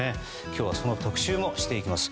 今日はその特集もしていきます。